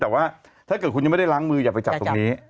แต่ว่าถ้าเกิดคุณยังไม่ได้ล้างมืออย่าไปจับตรงนี้